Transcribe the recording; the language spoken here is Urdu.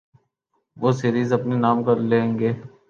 وہ سیریز اپنے نام کر لیں گے۔